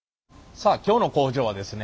さあ今日の工場はですね